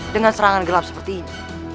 dengan serangan gelap seperti ini